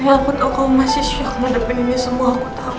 sayangku tahu kamu masih siang mendepannya semua aku tahu